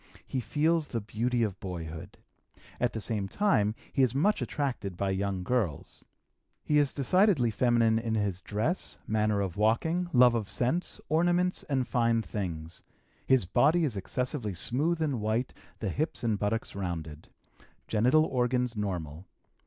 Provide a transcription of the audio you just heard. He feels the beauty of boyhood. At the same time he is much attracted by young girls. He is decidedly feminine in his dress, manner of walking, love of scents, ornaments, and fine things. His body is excessively smooth and white, the hips and buttocks rounded. Genital organs normal.